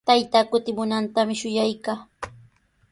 Taytaa kutimunantami shuyaykaa.